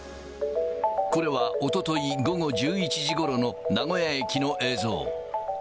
これは、おととい午後１１時ごろの名古屋駅の映像。